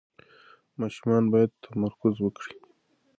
ماشومان باید تمرکز وکړي.